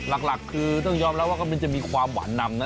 หลักคือต้องยอมรับว่ามันจะมีความหวานนำนะ